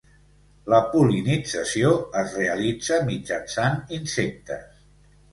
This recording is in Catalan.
La pol·linització es realitza mitjançant insectes.